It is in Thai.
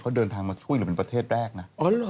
เขาเดินทางมาช่วยหรือเป็นประเทศแรกนะ